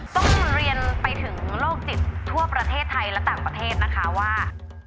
ต้องเรียนไปถึงโรคจิตทั่วประเทศไทยและต่างประเทศนะคะว่า